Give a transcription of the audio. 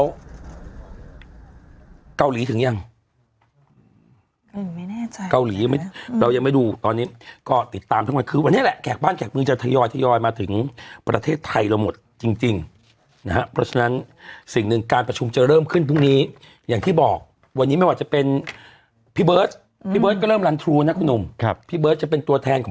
แล้วเกาหลีถึงยังอืมไม่แน่ใจเกาหลียังไม่เรายังไม่ดูตอนนี้ก็ติดตามทั้งวันคือวันนี้แหละแขกบ้านแขกเมืองจะทยอยทยอยมาถึงประเทศไทยเราหมดจริงจริงนะฮะเพราะฉะนั้นสิ่งหนึ่งการประชุมจะเริ่มขึ้นพรุ่งนี้อย่างที่บอกวันนี้ไม่ว่าจะเป็นพี่เบิร์ตพี่เบิร์ตก็เริ่มรันทรูนะคุณหนุ่มครับพี่เบิร์ตจะเป็นตัวแทนของ